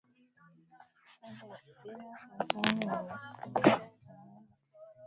makabila watani wa msukuma kumtania msukuma japo utani unaweza kuwa unabeba sehemu ya ukweli